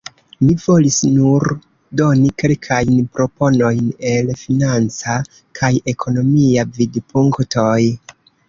Mi volis nur doni kelkajn proponojn el financa kaj ekonomia vidpunktoj.